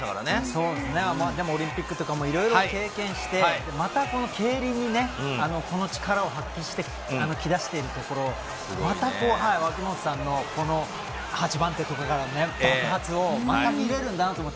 そうですね、でもオリンピックとかもいろいろ経験して、またこの競輪にこの力を発揮してきだしているところ、またこう、脇本さんのこの８番手とかからね、爆発をまた見れるんだなという。